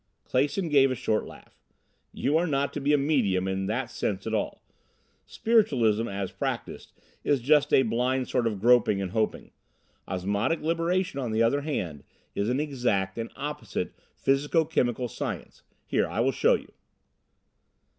Clason gave a short laugh. "You are not to be a medium in that sense at all. Spiritualism as practiced is just a blind sort of groping and hoping. Osmotic Liberation, on the other hand, is an exact and opposite physico chemical science. Here I will show you."